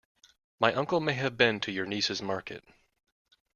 My uncle may have been to your niece's market.